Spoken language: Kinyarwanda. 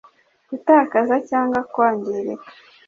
gutakaza cyangwa kwangirika